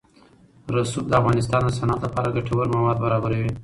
رسوب د افغانستان د صنعت لپاره ګټور مواد برابروي.